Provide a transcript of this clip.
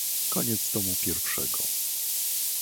"koniec tomu pierwszego."